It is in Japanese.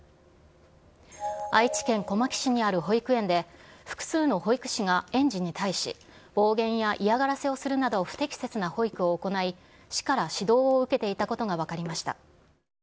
愛知県小牧市にある保育園で、複数の保育士が園児に対し、暴言や嫌がらせをするなど不適切な保育を行い、市から指導を受けていたことが分かりました。